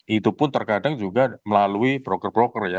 itu pun terkadang juga melalui broker broker ya